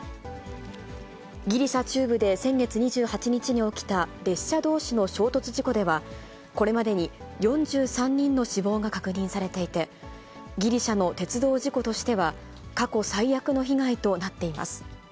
ギリシャ中部で先月２８日に起きた列車どうしの衝突事故では、これまでに４３人の死亡が確認されていて、ギリシャの鉄道事故としては、過去最悪の被害となっています。